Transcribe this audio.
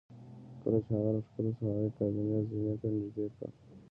کله چې هغه راښکته شو هغې کابینه زینې ته نږدې کړه